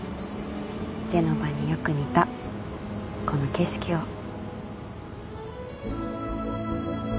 ジェノバによく似たこの景色を。